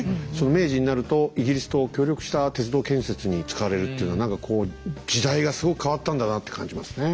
明治になるとイギリスと協力した鉄道建設に使われるっていうのは何かこう時代がすごく変わったんだなって感じますね。